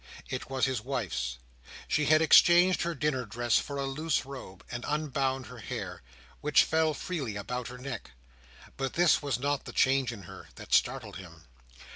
It was his wife's. She had exchanged her dinner dress for a loose robe, and unbound her hair, which fell freely about her neck. But this was not the change in her that startled him.